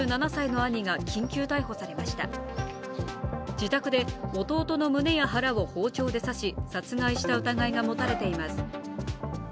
自宅で弟の胸や腹を包丁で刺し殺害した疑いが持たれています。